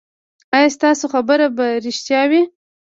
ایا ستاسو خبر به ریښتیا وي؟